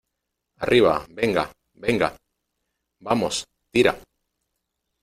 ¡ arriba, venga , venga! ¡ vamos , tira !